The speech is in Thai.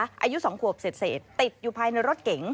อายุ๒ขวบเศษติดอยู่ภายในรถเก๋ง